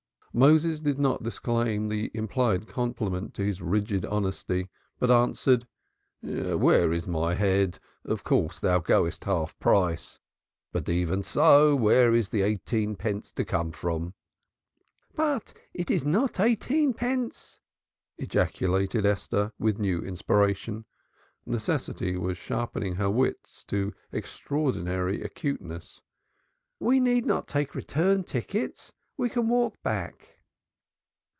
Moses did not disclaim the implied compliment to his rigid honesty but answered: "Where is my head? Of course thou goest half price. But even so where is the eighteenpence to come from?" "But it is not eighteenpence!" ejaculated Esther with a new inspiration. Necessity was sharpening her wits to extraordinary acuteness. "We need not take return tickets. We can walk back."